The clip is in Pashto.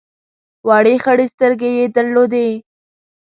وړې خړې سترګې یې درلودې.